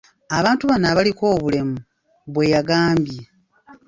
Abantu bano abaliko obulemu bwe yagambye.